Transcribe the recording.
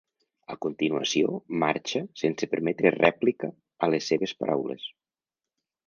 A continuació, marxa sense permetre rèplica a les seves paraules.